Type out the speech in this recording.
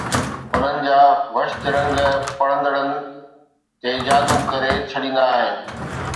انهن جا وشد رنگ پڙهندڙ تي جادو ڪري ڇڏيندا آهن